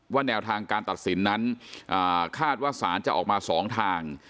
แนวทางการตัดสินนั้นคาดว่าสารจะออกมา๒ทาง